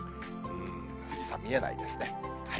富士山見えないですね。